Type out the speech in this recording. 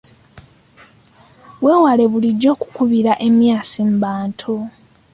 Weewale bulijjo okukubira emyasi mu bantu.